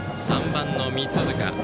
３番の三塚。